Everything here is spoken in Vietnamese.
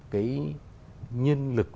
cái nhân lực